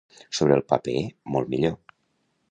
Sobre el paper, molt millor.